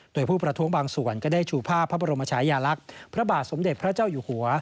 โดยผู้ประท้วงบางส่วนก็ได้ชูภาพพระบรมชายาลักษณ์พระบาทสมเด็จพระเจ้าอยู่หัว